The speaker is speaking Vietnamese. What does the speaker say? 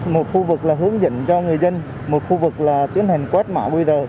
một khu vực là hướng dẫn cho người dân một khu vực là tiến hành quét mã qr